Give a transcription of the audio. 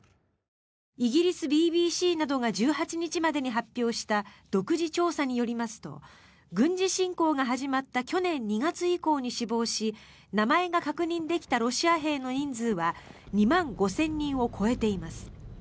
イギリスＢＢＣなどが１８日までに発表した独自調査によりますと軍事侵攻が始まった去年２月以降に死亡し名前が確認できたロシア兵の人数は２万５０００人を超えています。